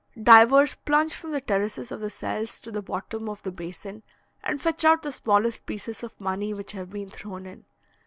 Divers plunge from the terraces of the cells to the bottom of the basin, and fetch out the smallest pieces of money which have been thrown in.